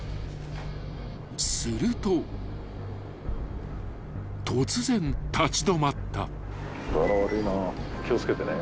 ［すると突然立ち止まった］